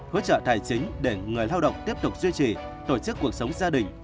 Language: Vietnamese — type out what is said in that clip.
hỗ trợ tài chính để người lao động tiếp tục duy trì tổ chức cuộc sống gia đình